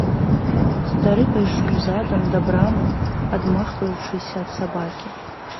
Стары пайшоў задам да брамы, адмахваючыся ад сабакі.